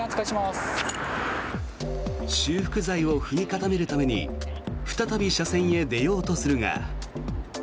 修復材を踏み固めるために再び車線へ出ようとするが。